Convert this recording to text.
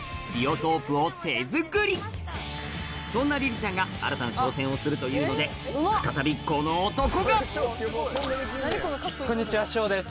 そんなリリちゃんが新たな挑戦をするというので再びこの男がこんにちはしょうです